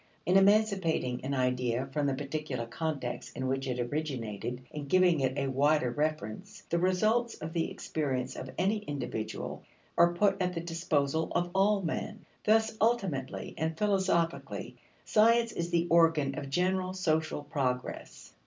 In emancipating an idea from the particular context in which it originated and giving it a wider reference the results of the experience of any individual are put at the disposal of all men. Thus ultimately and philosophically science is the organ of general social progress.